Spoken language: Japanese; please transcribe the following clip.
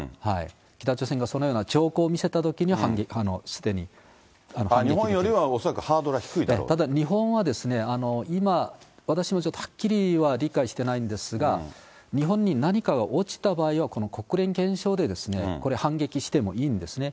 北朝鮮がそのような兆候を見せた日本よりは恐らくハードルがただ、日本は今、私もちょっとはっきりは理解してないんですが、日本に何かが落ちた場合は国連憲章でこれ、反撃してもいいんですね。